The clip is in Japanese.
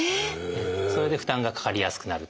それで負担がかかりやすくなる。